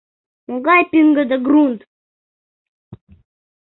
Могай пиҥгыде грунт!